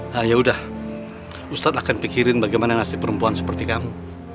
nah yaudah ustadz akan pikirin bagaimana nasib perempuan seperti kamu